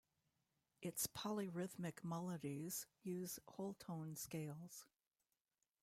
Its polyrhythmic melodies use whole tone scales.